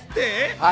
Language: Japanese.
はい。